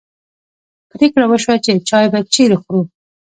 پرېکړه وشوه چې چای به چیرې خورو.